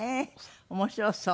面白そう。